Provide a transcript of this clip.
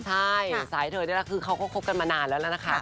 ใช่สายเธอนี่แหละคือเขาก็คบกันมานานแล้วแล้วนะคะ